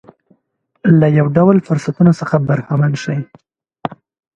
له یو ډول فرصتونو څخه برخمن شي.